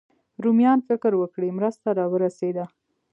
رومیان فکر وکړي مرسته راورسېده.